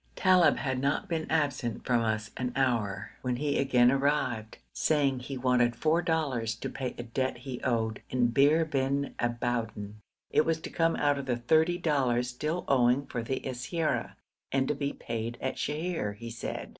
Talib had not been absent from us an hour when he again arrived, saying he wanted four dollars to pay a debt he owed in Bir bin Aboudan; 'it was to come out of the thirty dollars still owing for the siyara, and to be paid at Sheher,' he said.